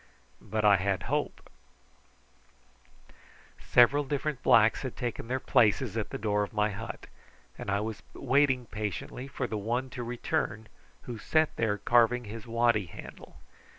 But I had hope. Several different blacks had taken their places at the door of my hut, and I was waiting patiently for the one to return who sat there carving his waddy handle.